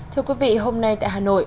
thưa quý vị hôm nay tại hà nội